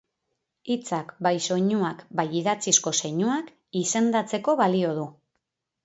Hitzak bai soinuak bai idatzizko zeinuak izendatzeko balio du.